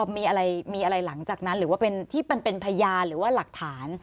มีอะไรหลังจากนั้นหรือว่าเป็นที่เป็นพยาหรือว่าหลักฐาน